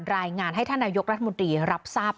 รายงานให้ท่านนายกรัฐมนตรีรับทราบ